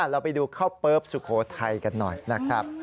เราไปดูข้าวเปิ๊บสุโขทัยกันหน่อยนะครับ